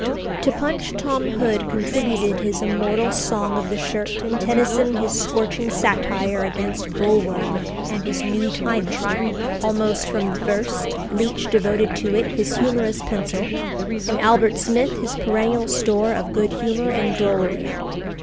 To Punch Tom Hood contributed his immortal "Song of the Shirt," and Tennyson his scorching satire against Bulwer and his "New Timon;" almost from the first, Leech devoted to it his humorous pencil, and Albert Smith his perennial store of good humour and drollery.